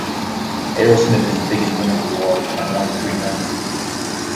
Aerosmith is the biggest winner of this award, having won it three times.